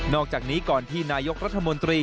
อกจากนี้ก่อนที่นายกรัฐมนตรี